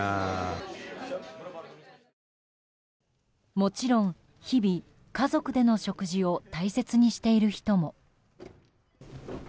もちろん、日々家族での食事を大切にしている人も。